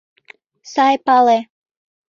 - Сай пале!